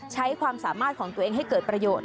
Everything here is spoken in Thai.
ใช้ความสามารถของตัวเองให้เกิดประโยชน์